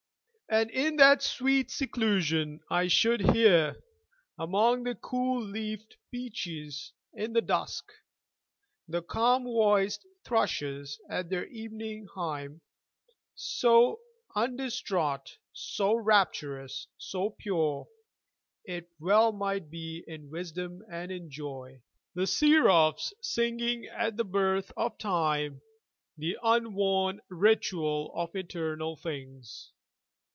And in that sweet seclusion I should hear, Among the cool leafed beeches in the dusk, The calm voiced thrushes at their evening hymn So undistraught, so rapturous, so pure, It well might be, in wisdom and in joy, The seraphs singing at the birth of time The unworn ritual of eternal things.